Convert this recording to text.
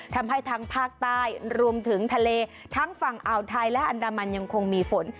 ทำให้ทั้งภาคใต้รวมถึงทะเลทั้งฝั่งอ่าวไทยและอันดามันยังคงมีฝน